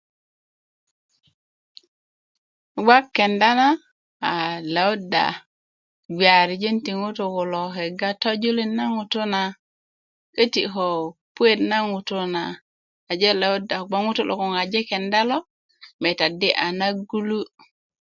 bgak kenda na a lewuda bgeyarijin ti ŋutu kulo kega tojulin na ŋutu na köti ko puet na ŋutu na aje lewuda kobgoŋ ŋutu lo je kenda lo meta di a na gulu